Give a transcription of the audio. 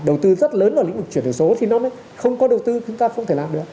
đầu tư rất lớn vào lĩnh vực chuyển đổi số thì nó mới không có đầu tư chúng ta không thể làm được